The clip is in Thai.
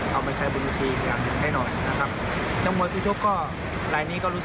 เพราะสุดท้วนทุกคนเราไปชกที่ประเทศ